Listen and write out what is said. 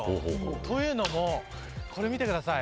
というのもこれを見てください。